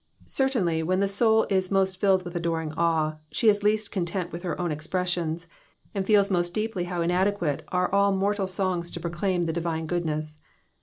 '^ Certainly, when the soul is most filled with adoring awe, she is least content with her own expressions, and feels most deeply howinadequate are all mortal songs to proclaim the divine goodness.